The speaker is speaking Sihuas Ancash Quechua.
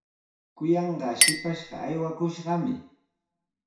Kuyanqaa shipashqa aywakushqami.